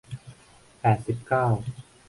แปดสิบเก้า